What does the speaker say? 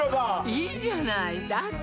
いいじゃないだって